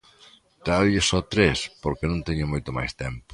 Tráiolle só tres porque non teño moito máis tempo.